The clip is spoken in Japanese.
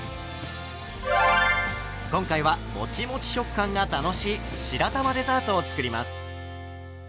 今回はもちもち食感が楽しい白玉デザートを作ります。